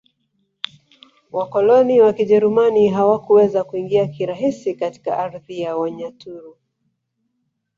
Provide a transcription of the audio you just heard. Wakoloni wa Kijerumani hawakuweza kuingia kirahisi katika ardhi ya Wanyaturu